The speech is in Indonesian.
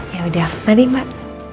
ya udah mari mbak